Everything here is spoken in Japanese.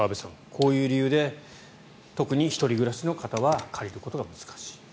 こういう理由で特に１人暮らしの方は借りることが難しいと。